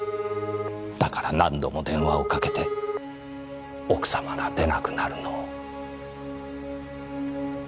だから何度も電話をかけて奥様が出なくなるのを待った。